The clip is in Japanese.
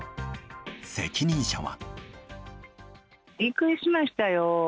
責任者は。